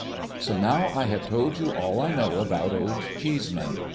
So, now I have told you all I know about Old Cheeseman.